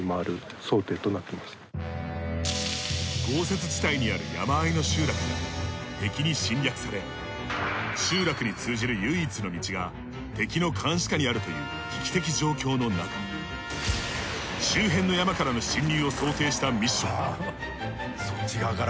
豪雪地帯にある山あいの集落が敵に侵略され集落に通じる唯一の道が敵の監視下にあるという危機的状況のなか周辺の山からの侵入を想定したミッション。